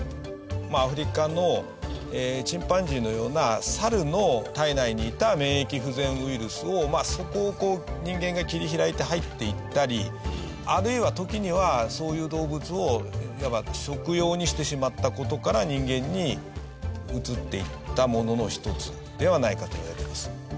アフリカのチンパンジーのようなサルの体内にいた免疫不全ウイルスをそこをこう人間が切り開いて入っていったりあるいは時にはそういう動物をいわば食用にしてしまった事から人間にうつっていったものの一つではないかといわれています。